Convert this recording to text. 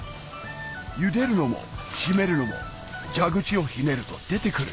ゆでるのも締めるのも蛇口をひねると出てくる